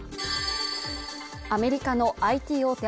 アメリカのＩＴ大手